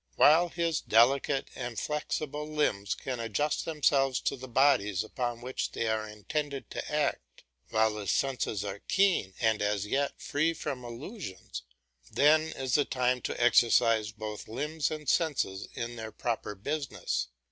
While his delicate and flexible limbs can adjust themselves to the bodies upon which they are intended to act, while his senses are keen and as yet free from illusions, then is the time to exercise both limbs and senses in their proper business.